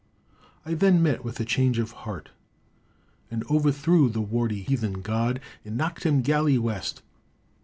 I then met with a change of heart, and overthrew the warty heathen god, and knocked him galley west.